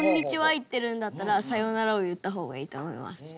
言ってるんだったら「さようなら」を言った方がいいと思います。